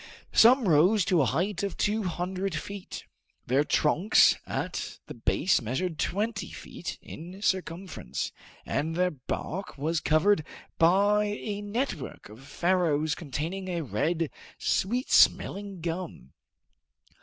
Some rose to a height of two hundred feet. Their trunks at the base measured twenty feet in circumference, and their bark was covered by a network of farrows containing a red, sweet smelling gum.